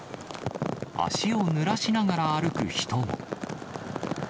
足をぬらしながら歩く人も。